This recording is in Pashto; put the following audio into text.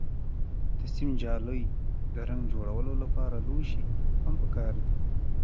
د سیم جالۍ، د رنګ جوړولو لپاره لوښي هم پکار دي.